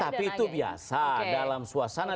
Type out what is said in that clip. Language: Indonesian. tapi itu biasa dalam suasana